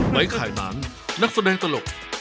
ไบไข่นานนักแสดงตลก